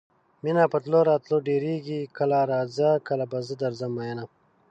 مینه په تلو راتلو ډیریږي کله راځه کله به زه درځم میینه